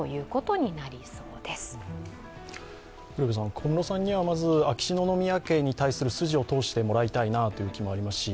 小室さんにはまず秋篠宮家に対する筋を通してもらいたいなという気持ちもありますし